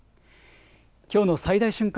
きょうの最大瞬間